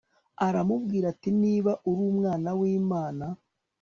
aramubwira ati Niba uri Umwana wImana